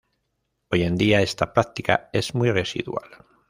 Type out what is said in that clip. Hoy en día esta práctica es muy residual.